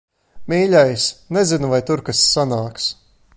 Mīļais, nezinu, vai tur kas sanāks.